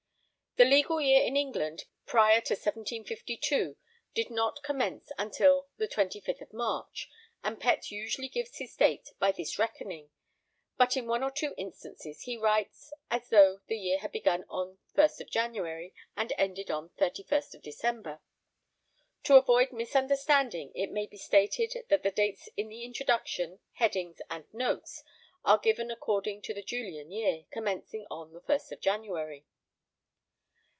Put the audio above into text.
The legal year in England, prior to 1752, did not commence until the 25th March, and Pett usually gives his dates by this reckoning, but in one or two instances he writes as though the year had begun on 1st January and ended on 31st December. To avoid misunderstanding, it may be stated that the dates in the Introduction, headings, and notes are given according to the Julian year, commencing on 1st January.